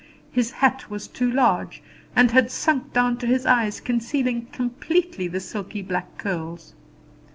His hat was too large, and had sunk down to his eyes, concealing completely the silky black curls.